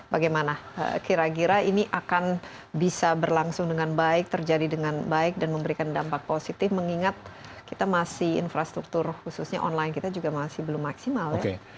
bagaimana kira kira ini akan bisa berlangsung dengan baik terjadi dengan baik dan memberikan dampak positif mengingat kita masih infrastruktur khususnya online kita juga masih belum maksimal ya